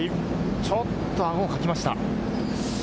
ちょっとアゴをかきました。